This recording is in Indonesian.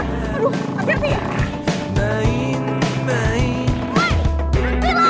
nih kalau gak mau gimana mau kejar gamretnya